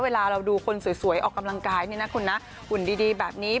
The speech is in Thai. เวลาเราดูคนสวยออกกำลังกายเนี่ยนะคุณนะหุ่นดีแบบนี้